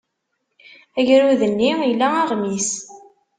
Agrud-nni ila aɣmis.